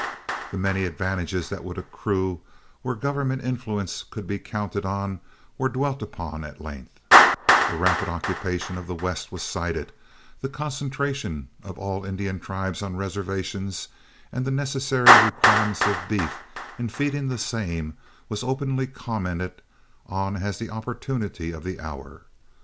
The many advantages that would accrue where government influence could be counted on were dwelt upon at length, the rapid occupation of the West was cited, the concentration of all Indian tribes on reservations, and the necessary requirements of beef in feeding the same was openly commented on as the opportunity of the hour.